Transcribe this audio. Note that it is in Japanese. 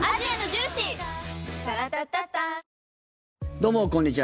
どうも、こんにちは。